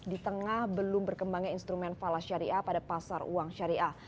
di tengah belum berkembangnya instrumen fala syariah pada pasar uang syariah